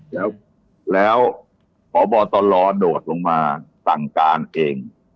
เจ๋าแล้วพบฤลโดดโดดลงมาสั่งการเอง